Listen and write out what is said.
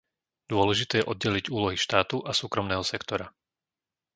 Dôležité je oddeliť úlohy štátu a súkromného sektora.